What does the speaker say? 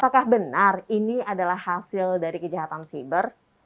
apakah benar ini adalah hasil dari kejahatan siber